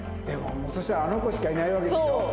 でもそしたらあの子しかいないわけでしょ？